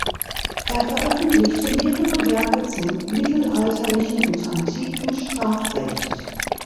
Er veröffentlichte mehrere Werke zum mittelalterlichen und antiken Strafrecht.